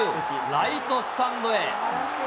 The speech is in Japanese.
ライトスタンドへ。